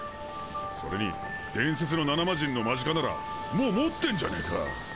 それに伝説の７マジンのマジカならもう持ってんじゃねーか！